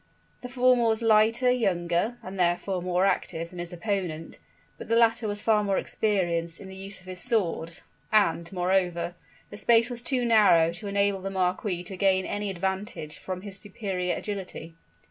The former was lighter, younger, and therefore, more active than his opponent; but the latter was far more experienced in the use of his sword; and, moreover, the space was too narrow to enable the marquis to gain any advantage from his superior agility.